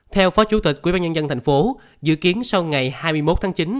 theo phó chủ tịch quyên bán nhân dân thành phố dự kiến sau ngày hai mươi một tháng chín